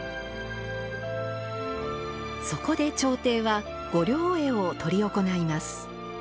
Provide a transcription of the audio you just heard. そこで朝廷は御霊会を執り行います。